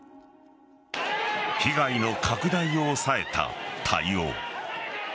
被害の拡大を抑えた対応。